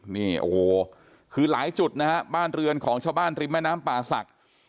นี่โอ้โหคือหลายจุดนะฮะบ้านเรือนของชาวบ้านริมแม่น้ำป่าศักดิ์